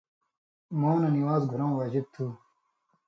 مُو نہ نِوان٘ز گھُرٶں واجب تھُو۔